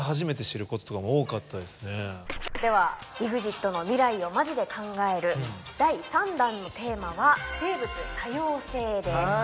では『ＥＸＩＴの未来を本気で考える』第３弾のテーマは生物多様性です。